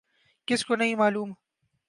کسی کو نہیں معلوم۔